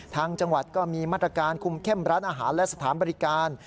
ทางจังหวัดก็มีมาตรการคุมเข้มร้านอาหารและสถานบริการ